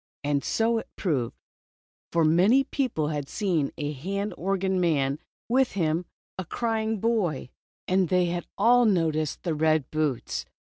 And so it proved. For many people had seen a hand organ man, and with him a crying boy, and they had all noticed the red boots.